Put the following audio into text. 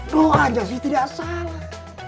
doa aja sih tidak salah